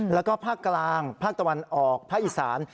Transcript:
แล้วก็ภาคกลางภาคตะวันออกภาคอีสาน